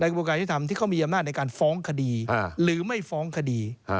ในกรุงประกาศที่ทำที่เขามีอำนาจในการฟ้องคดีหรือไม่ฟ้องคดี